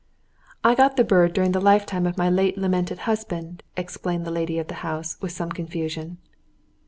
"I got the bird during the lifetime of my late lamented husband," explained the lady of the house, with some confusion.